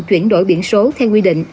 chuyển đổi biển số theo quy định